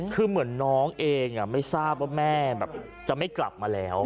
คือเหมือนน้องเองไม่ทราบว่าแม่แบบจะไม่กลับมาแล้ว